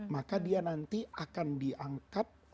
maka dia nanti akan diangkat